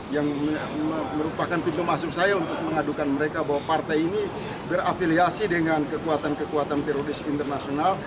yang merupakan pintu masuk saya untuk mengadukan mereka bahwa partai ini berafiliasi dengan kekuatan kekuatan teroris internasional